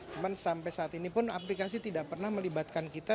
cuma sampai saat ini pun aplikasi tidak pernah melibatkan kita